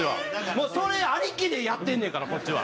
もうそれありきでやってんねんからこっちは。